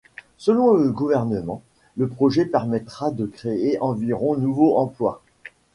Selon le gouvernement, le projet permettra de créer environ nouveaux emplois.